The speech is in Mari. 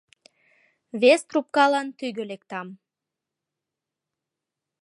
Вес трубкалан тӱгӧ лектам...